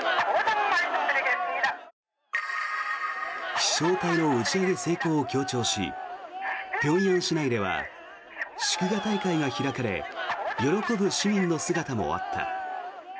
飛翔体の打ち上げ成功を強調し平壌市内では祝賀大会が開かれ喜ぶ市民の姿もあった。